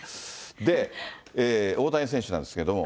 大谷選手なんですけれども。